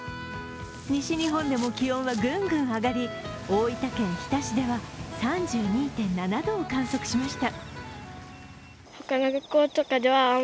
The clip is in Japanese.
西日本でも気温はグングン上がり、大分県日田市では３２．７度を観測しました。